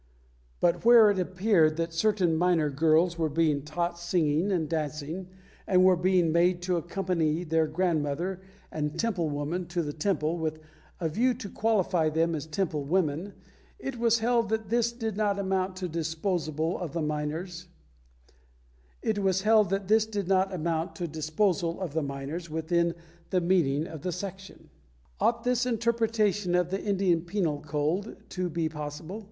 But where it appeared that certain minor girls were being taught singing and dancing and were being made to accompany their grandmother and Temple woman to the Temple with a view to qualify them as Temple women, it was held that this did not amount to a disposal of the minors within the meaning of the section. Ought this interpretation of the Indian Penal Code to be possible?